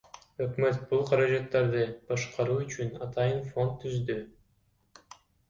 Өкмөт бул каражаттарды башкаруу үчүн атайын фонд түздү.